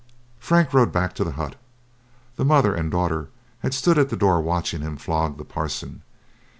Frank rode back to the hut. The mother and daughter had stood at the door watching him flog the Parson.